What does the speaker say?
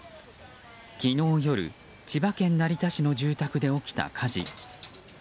昨日夜千葉県成田市の住宅で起きた火事。